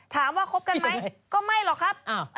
ถามว่าคบกันไหมก็ไม่หรอกครับ